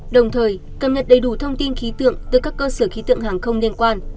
đồng thời cập nhật đầy đủ thông tin khí tượng từ các cơ sở khí tượng hàng không liên quan